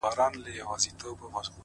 o ښكلو ته كاته اكثر؛